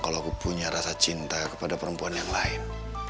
kalau aku punya rasa cinta kepada perempuan yang lain